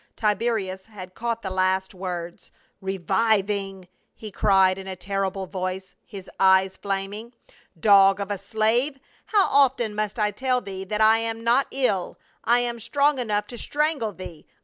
Tiberius had caught the last words. " Reviving !" he cried in a terrible voicC; his eyes flaming, " Dog of a slave, how often must I tell thee that I am not ill. I am strong enough to strangle thee.